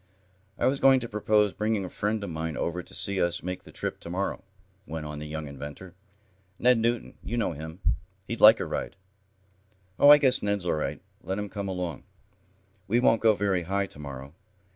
"I was going to propose bringing a friend of mine over to see us make the trip to morrow," went on the young inventor. "Ned Newton, you know him. He'd like a ride." "Oh, I guess Ned's all right. Let him come along. We won't go very high to morrow.